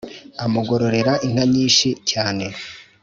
amugororera inka nyinshi cyane